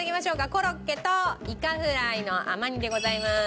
コロッケとイカフライの甘煮でございます。